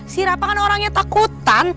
si rapat kan orangnya takutan